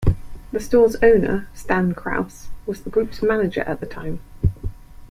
The store's owner, Stan Krause, was the group's manager at the time.